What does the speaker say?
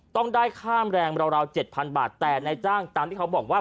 ต้องได้ค่าแรงราว๗๐๐บาทแต่ในจ้างตามที่เขาบอกว่า